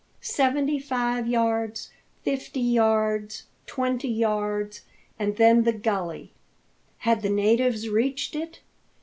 Seventy five yards, fifty yards, twenty yards and then the gully. Had the natives reached it?